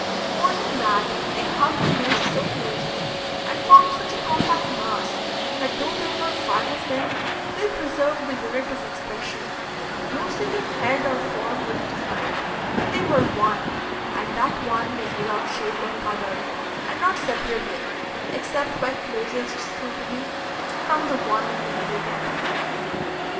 More than that, they hugged the nest so closely and formed such a compact mass, that though there were five of them, they preserved the unit of expression, no single head or form was defined; they were one, and that one was without shape or color, and not separable, except by closest scrutiny, from the one of the meadow bottom.